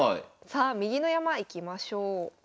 さあ右の山いきましょう。